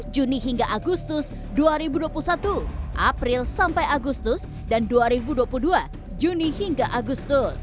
dua puluh juni hingga agustus dua ribu dua puluh satu april sampai agustus dan dua ribu dua puluh dua juni hingga agustus